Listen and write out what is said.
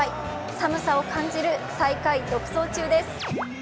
寒さを感じる最下位独走中です。